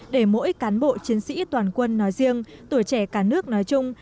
để mỗi cán bộ chiến sĩ toàn quân nói riêng tuổi trẻ cả nước nói chung